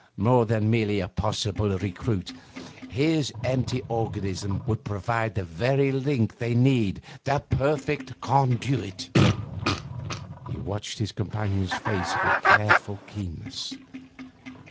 More than merely a possible recruit, his empty organism would provide the very link they need, the perfect conduit.' He watched his companion's face with careful keenness.